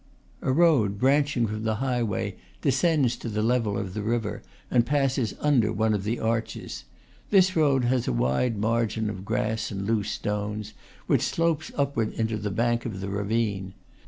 A road, branching from the highway, de scends to the level of the river and passes under one of the arches. This road has a wide margin of grass and loose stones, which slopes upward into the bank of the ravine.